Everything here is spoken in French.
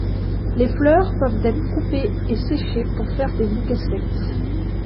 Les fleurs peuvent être coupées et séchées pour faire des bouquets secs.